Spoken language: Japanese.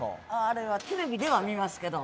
あれはテレビでは見ますけど。